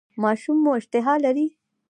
ماشوم مو اشتها لري؟